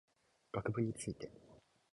学部について